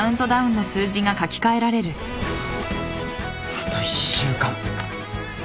あと１週間。